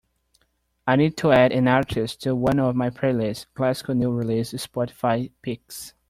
I need to add an artist to one of my playlists, Classical New Releases Spotify Picks.